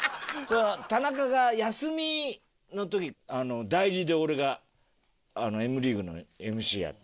田中が休みの時代理で俺が『Ｍリーグ』のＭＣやって。